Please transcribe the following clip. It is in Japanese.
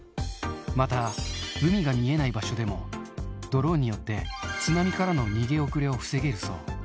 また、海が見えない場所でも、ドローンによって津波からの逃げ遅れを防げるそう。